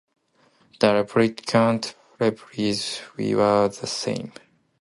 The Replicant replies, We are the same.